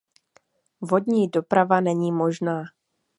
Vodní doprava není možná.